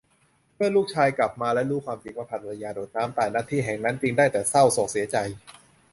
เมื่อลูกชายกลับมาและรู้ความจริงว่าภรรยาโดดน้ำตาย ณ ที่แห่งนั้นจึงได้แต่ เศร้าโศกเสียใจ